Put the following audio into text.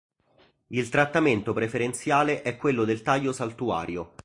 Il trattamento preferenziale è quello del taglio saltuario.